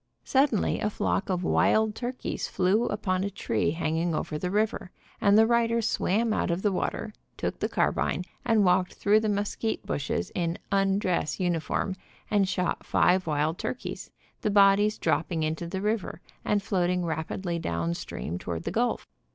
Sud Shooting in undress uniform. denly a flock of wild turkeys flew upon a tree hanging over the river, and the writer swam out of the water, took the carbine and walked through the musquite bushes in "undress" uniform 1 and shot five wild tur keys, the bodies dropping into the river and floating rapidly down stream toward the gulf.